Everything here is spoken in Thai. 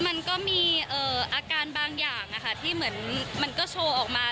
มันก็มีอาการบางอย่างที่เหมือนมันก็โชว์ออกมา